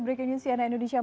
breaking news cna indonesia